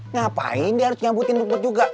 ngapain dia harus nyambutin rumput juga